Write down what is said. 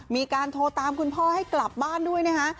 มีการโทรตามคุณพ่อให้กลับบ้านด้วยนะคะ